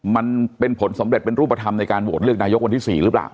มันเป็นผลสำเร็จเป็นรูปธรรมในการโหวตเลือกนายกวันที่๔หรือเปล่า